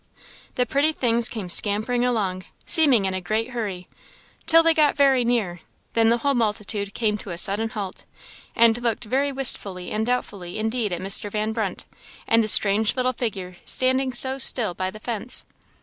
The pretty things came scampering along, seeming in a great hurry, till they got very near; then the whole multitude came to a sudden halt, and looked very wistfully and doubtfully indeed at Mr. Van Brunt, and the strange little figure standing so still by the fence.